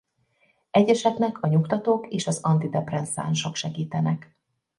Egyeseknek a nyugtatók és az antidepresszánsok segítenek.